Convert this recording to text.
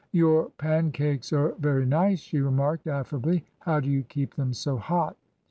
Your pancakes are very nice," she remarked affably. How do you keep them so hot?